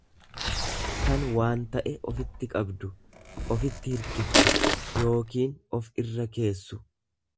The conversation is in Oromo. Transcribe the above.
kan waan ta'e ofitti qabdu, ofitti hirkiftu yookiin of irra keessu.